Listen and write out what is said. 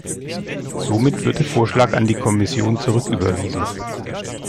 Somit wird der Vorschlag an die Kommission zurücküberwiesen.